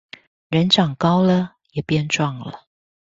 人長高了也變壯了